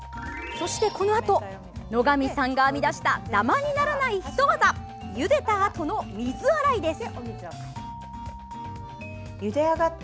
そして、このあと野上さんが編み出したダマにならないひと技ゆでたあとの水洗いです。